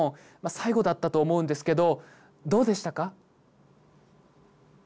最後だったと思うんですけどどうでしたか？